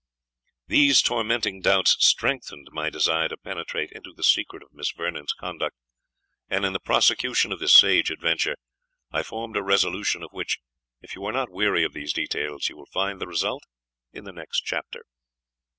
These tormenting doubts strengthened my desire to penetrate into the secret of Miss Vernon's conduct, and in the prosecution of this sage adventure, I formed a resolution, of which, if you are not weary of these details, you will find the result in the next chapter.